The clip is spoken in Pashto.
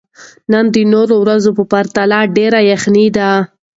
نن د نورو ورځو په پرتله ډېره یخني ده.